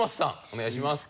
お願いします。